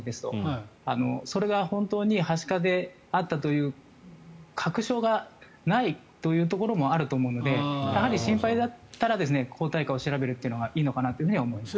それが本当にはしかであったという確証がないというところもあると思うのでやはり心配だったら抗体価を調べるのがいいかなと思います。